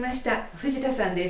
藤田さんです。